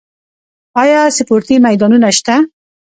آیا سپورتي میدانونه شته؟